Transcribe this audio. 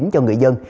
cho người dân